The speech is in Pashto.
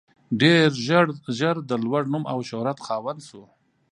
ډېر ژر د لوړ نوم او شهرت خاوند شو.